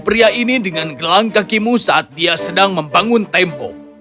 lihatlah perangku pria ini dengan gelang kakimu saat dia sedang membangun tembok